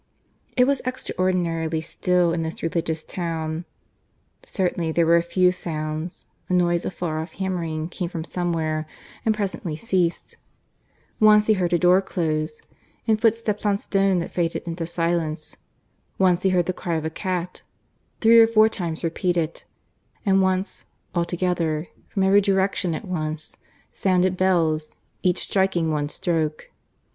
It was extraordinarily still in this Religious town. Certainly there were a few sounds; a noise of far off hammering came from somewhere and presently ceased. Once he heard a door close and footsteps on stone that faded into silence; once he heard the cry of a cat, three or four times repeated; and once, all together, from every direction at once, sounded bells, each striking one stroke.